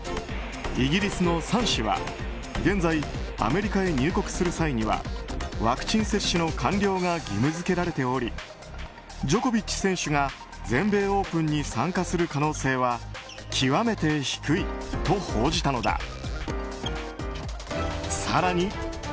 イギリスのサン紙は現在、アメリカに入国する際にはワクチン接種の完了が義務付けられておりジョコビッチ選手が全米オープンに参加する可能性は極めて低いと報じたのだ。